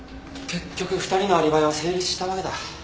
結局２人のアリバイは成立したわけだ。